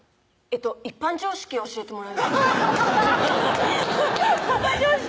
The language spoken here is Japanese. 一般常識を教えてもらいました一般常識？